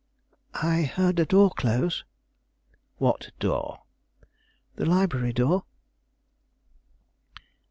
"I heard a door close." "What door?" "The library door."